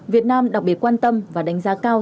việt nam đặc biệt quan tâm và đánh giá cao